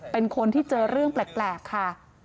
เป็นคนที่เจอเรื่องแปลกค่ะ